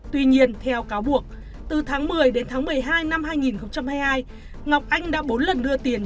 tuy nhiên theo cáo buộc từ tháng một mươi đến tháng một mươi hai năm hai nghìn hai mươi hai ngọc anh đã bốn lần đưa tiền